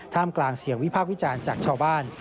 กลางเสียงวิพากษ์วิจารณ์จากชาวบ้าน